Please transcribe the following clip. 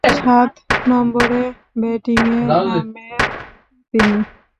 সাত নম্বরে ব্যাটিংয়ে নামেন তিনি।